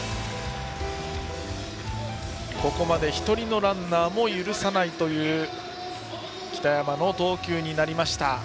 ここまで１人のランナーも許さないという北山の投球になりました。